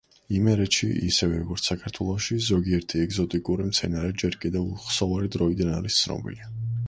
იმერეთში ისევე როგორც საქართველოში, ზოგიერთი ეგზოტიკური მცენარე ჯერ კიდევ უხსოვარი დროიდან არის ცნობილი.